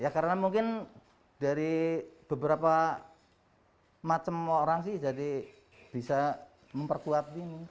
ya karena mungkin dari beberapa macam orang sih jadi bisa memperkuat ini